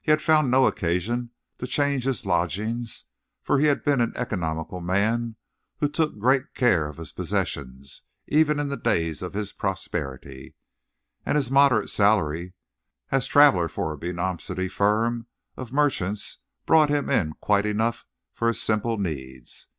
He had found no occasion to change his lodgings, for he had been an economical man who took great care of his possessions even in the days of his prosperity, and his moderate salary as traveller for a Bermondsey firm of merchants brought him in quite enough for his simple needs.